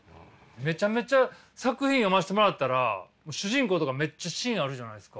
めちゃめちゃ作品読ませてもらったらもう主人公とかめっちゃ芯あるじゃないですか。